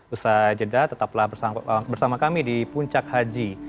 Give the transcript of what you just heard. usaha jeda tetaplah bersama kami di puncak haji